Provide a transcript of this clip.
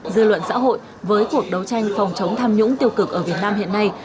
dư luận xã hội với cuộc đấu tranh phòng chống tham nhũng tiêu cực ở việt nam hiện nay